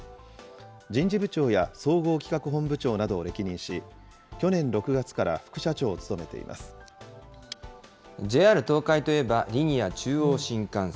人事部長や総合企画本部長などを歴任し、去年６月から副社長を務ＪＲ東海といえば、リニア中央新幹線。